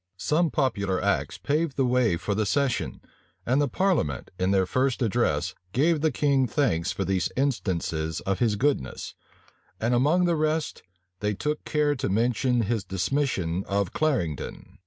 Some popular acts paved the way for the session; and the parliament, in their first address, gave the king thanks for these instances of his goodness; and, among the rest, they took care to mention his dismission of Clarendon.